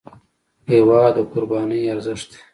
هېواد د قربانۍ ارزښت دی.